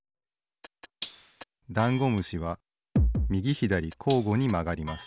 ダンゴムシはみぎひだりこうごにまがります。